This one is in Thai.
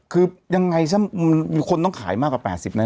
คือยังไงซะคนต้องขายมากกว่า๘๐นะ